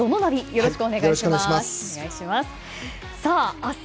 よろしくお願いします。